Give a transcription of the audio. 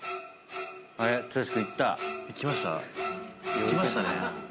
いきましたね。